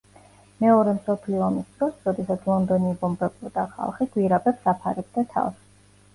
მეორე მსოფლიო ომის დროს, როდესაც ლონდონი იბომბებოდა, ხალხი გვირაბებს აფარებდა თავს.